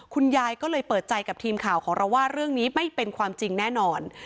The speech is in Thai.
คุณยายก็เลยเปิดใจกับทีมข่าวของเราว่าเรื่องนี้ไม่เป็นความจริงแน่นอน